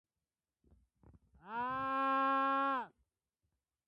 Escobar grew up in Granollers, Catalonia, where his father worked in the post office.